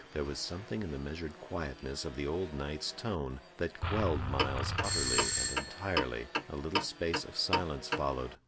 There was something in the measured quietness of the old knight's tone that quelled Myles utterly and entirely. A little space of silence followed.